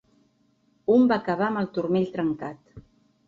Un va acabar amb el turmell trencat.